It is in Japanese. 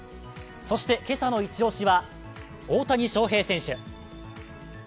そして、今朝のイチ押しは大谷翔平選手。